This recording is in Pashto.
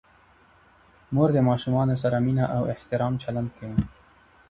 مور د ماشومانو سره مینه او احترام چلند کوي.